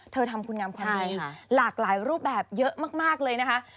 ทำคุณงามความดีหลากหลายรูปแบบเยอะมากเลยนะคะ